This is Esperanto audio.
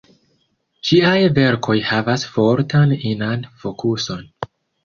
Ŝiaj verkoj havas fortan inan fokuson.